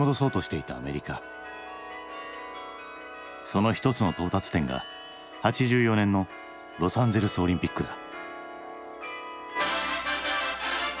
その一つの到達点が８４年のロサンゼルスオリンピックだ。